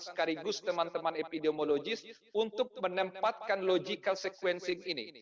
sekaligus teman teman epidemiologis untuk menempatkan logical sequencing ini